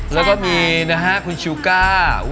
แล้วก็มีนะฮะคุณชิวก้า